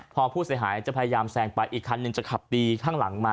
พอผู้เสียหายจะพยายามแซงไปอีกคันหนึ่งจะขับตีข้างหลังมา